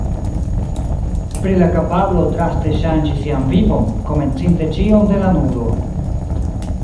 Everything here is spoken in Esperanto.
Pri la kapablo draste ŝanĝi sian vivon, komencinte ĉion de la nulo.